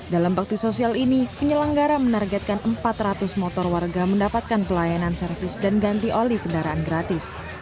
dalam bakti sosial ini penyelenggara menargetkan empat ratus motor warga mendapatkan pelayanan servis dan ganti oli kendaraan gratis